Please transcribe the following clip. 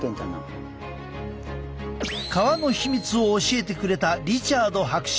革の秘密を教えてくれたリチャード博士。